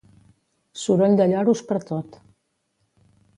Soroll de lloros pertot.